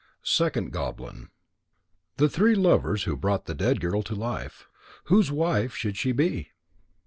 SECOND GOBLIN _The Three Lovers who brought the Dead Girl to Life. Whose wife should she be?